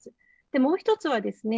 で、もう１つはですね